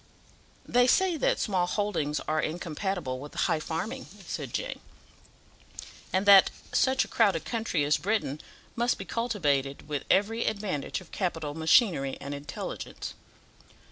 "They say that small holdings are incompatible with high farming," said Jane, "and that such a crowded country as Britain must be cultivated with every advantage of capital, machinery, and intelligence."